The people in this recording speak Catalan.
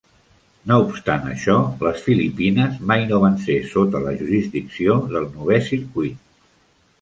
No obstant això, les Filipines mai no van ser sota la jurisdicció del Novè Circuit.